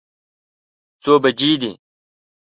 څو بجې دي؟